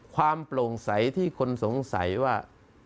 ความโปร่งใสที่คนสงสัยว่า